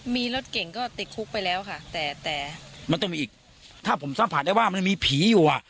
มีรถเก่งก็ติดคุกไปแล้วค่ะแต่แต่มันต้องมีอีกถ้าผมสัมผัสได้ว่ามันมีผีอยู่อ่ะ